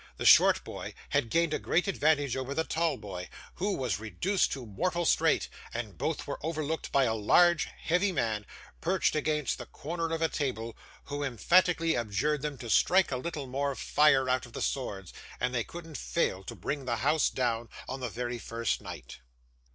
The short boy had gained a great advantage over the tall boy, who was reduced to mortal strait, and both were overlooked by a large heavy man, perched against the corner of a table, who emphatically adjured them to strike a little more fire out of the swords, and they couldn't fail to bring the house down, on the very first night.